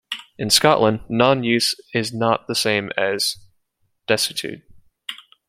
In Scotland, non-use is not the same as desuetude.